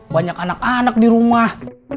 banyak anak anak di rumah